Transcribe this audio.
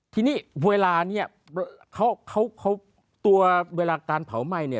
ทีนี้เวลานี้เวลาการเผาไหม้เนี่ย